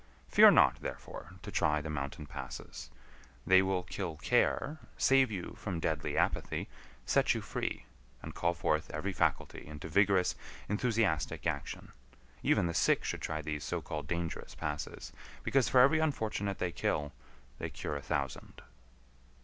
Fear not, therefore, to try the mountain passes. They will kill care, save you from deadly apathy, set you free, and call forth every faculty into vigorous, enthusiastic action. Even the sick should try these so called dangerous passes, because for every unfortunate they kill, they cure a thousand.